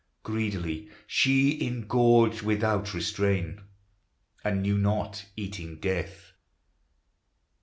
Greedily she ingorged without restraint, And knew not eating death.